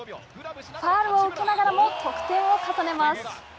ファウルを受けながらも得点を重ねます。